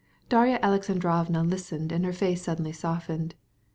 Darya Alexandrovna listened, and her face suddenly softened.